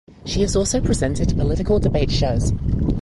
She has also presented political debate shows.